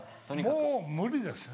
もう無理ですね。